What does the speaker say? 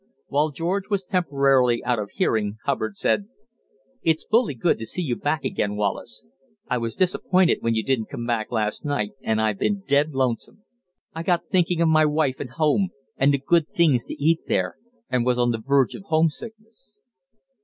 While George was temporarily out of hearing, Hubbard said: "It's bully good to see you back again, Wallace. I was disappointed when you didn't come back last night, and I've been dead lonesome. I got thinking of my wife and home, and the good things to eat there, and was on the verge of homesickness."